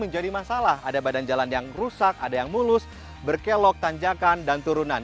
jalan jalan yang rusak ada yang mulus berkelok tanjakan dan turunan